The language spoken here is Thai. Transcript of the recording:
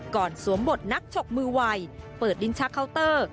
ก่อนสวมบทนักฉกมือวัยเปิดดินชะเคาน์เตอร์